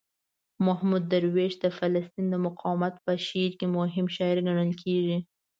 محمود درویش د فلسطین د مقاومت په شعر کې مهم شاعر ګڼل کیږي.